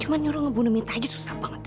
cuma nyuruh ngebunuh mita aja susah banget